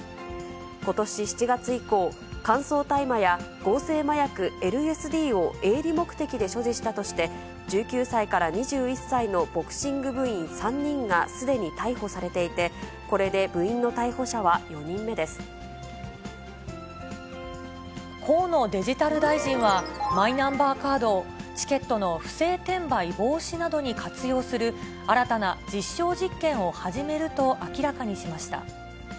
ことし７月以降、乾燥大麻や合成麻薬ＬＳＤを営利目的で所持したとして、１９歳から２１歳のボクシング部員３人がすでに逮捕されていて、これで部河野デジタル大臣は、マイナンバーカードをチケットの不正転売防止などに活用する、新たな実証実験を始めると明らかにしました。